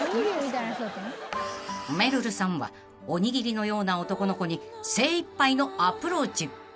［めるるさんはおにぎりのような男の子に精いっぱいのアプローチ］